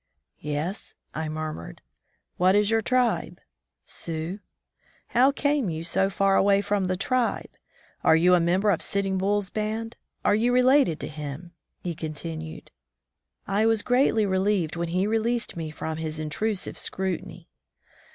"Yes," I murmured. "What is your tribe?" "Sioux." "How came you so far away from the tribe? Are you a member of Sitting Bull's band? Are you related to him?" he con tinued. I was greatly relieved when he released me from his intrusive scrutiny.